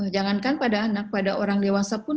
jangankan pada anak pada orang dewasa pun